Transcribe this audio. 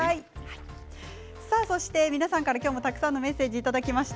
皆さんから、たくさんのメッセージをいただきました。